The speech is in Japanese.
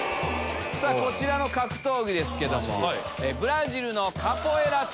こちらの格闘技ですけども。